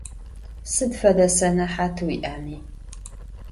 Sıd fede senehat vui'emi.